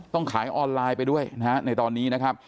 ขายออนไลน์ไปด้วยนะฮะในตอนนี้นะครับ